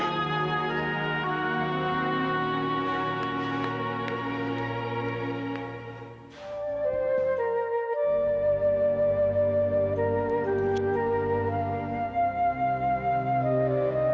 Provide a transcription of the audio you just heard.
ini adalah perasaan yang terbaik